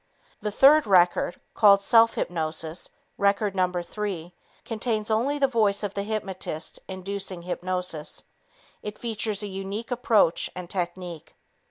The third record, called Self Hypnosis Record No. 3, contains only the voice of the hypnotist inducing hypnosis. It features a unique approach and technique.